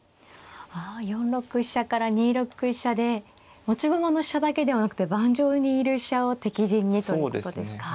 あ４六飛車から２六飛車で持ち駒の飛車だけではなくて盤上にいる飛車を敵陣にということですか。